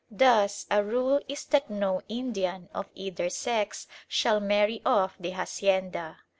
Thus a rule is that no Indian of either sex shall marry off the hacienda.